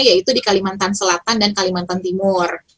yaitu di kalimantan selatan dan kalimantan timur